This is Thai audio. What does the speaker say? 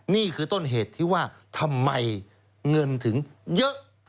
นี่คือต้นเหตุที่ว่าทำไมเงินถึงเยอะ